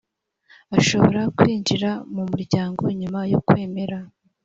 ashobora kwinjira mu muryango nyuma yo kwemera